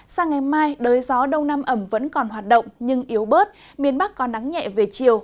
sang ngày mai đới gió đông nam ẩm vẫn còn hoạt động nhưng yếu bớt miền bắc có nắng nhẹ về chiều